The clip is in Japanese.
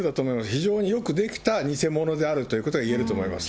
非常によく出来た偽物であるということが言えると思います。